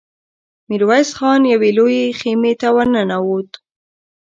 ميرويس خان يوې لويې خيمې ته ور ننوت.